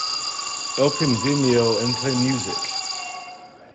Open Vimeo and play music.